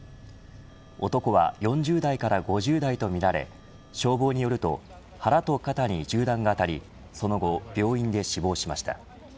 男は４０代から５０代とみられ消防によると腹と肩に銃弾が当たりその後、病院で死亡しました。